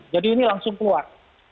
jadi ini langsung keluar